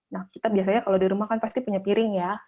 nah kita biasanya kalau di rumah kan pasti punya piring ya